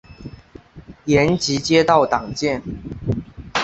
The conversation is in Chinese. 延吉街道党建